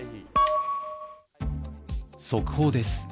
速報です。